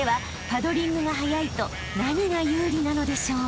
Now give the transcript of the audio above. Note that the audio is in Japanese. パドリングが速いと何が有利なのでしょう？］